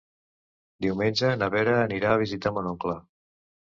Diumenge na Vera anirà a visitar mon oncle.